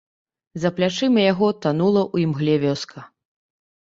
За плячыма яго танула ў імгле вёска.